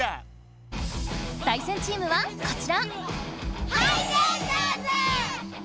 対戦チームはこちら！